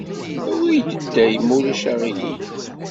Awey-d atay, ma ulac aɣilif.